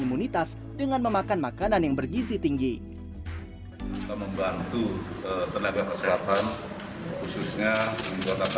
imunitas dengan memakan makanan yang bergizi tinggi membantu tenaga keselatan khususnya